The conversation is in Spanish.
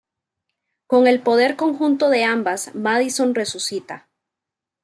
Con el poder conjunto de ambas, Madison resucita.